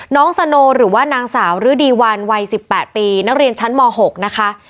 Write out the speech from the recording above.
สโนหรือว่านางสาวฤดีวันวัย๑๘ปีนักเรียนชั้นม๖นะคะ